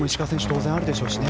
当然あるでしょうしね。